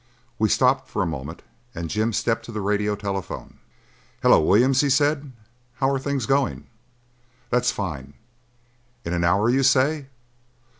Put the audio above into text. We stopped for a moment, and Jim stepped to the radio telephone. "Hello, Williams," he said, "how are things going? That's fine. In an hour, you say?